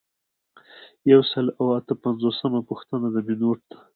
یو سل او اته پنځوسمه پوښتنه د مینوټ ده.